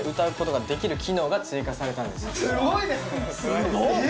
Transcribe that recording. すごっ！